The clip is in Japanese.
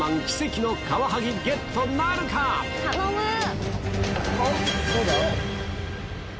奇跡のカワハギゲットなるか⁉頼む！